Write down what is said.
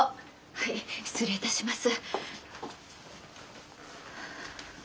はい失礼いたします。